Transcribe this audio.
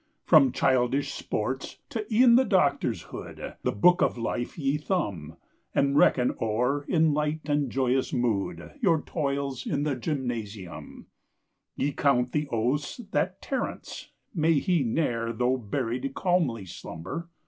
From childish sports, to e'en the doctor's hood, The book of life ye thumb, And reckon o'er, in light and joyous mood, Your toils in the gymnasium; Ye count the oaths that Terence may he ne'er, Though buried, calmly slumber!